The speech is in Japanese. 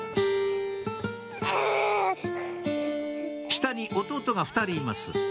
下に弟が２人います